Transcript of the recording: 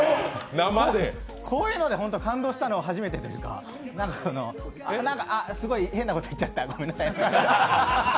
こういうので感動したのは初めてですがあ、すごい変なこと言っちゃったごめんなさい。